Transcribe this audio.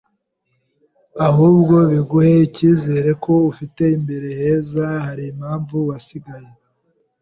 ahubwo biguhe icyizere ko ufite imbere heza harimpamvu wasigaye